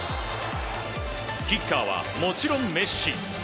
キッカーはもちろんメッシ。